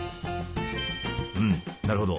うんなるほど。